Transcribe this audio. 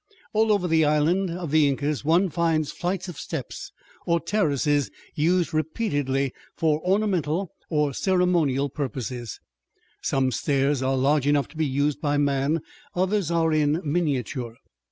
All over the land of the Incas one finds flights of steps or terraces used repeatedly for ornamental or ceremonial purposes. Some stairs are large enough to be used by man; others are in miniature.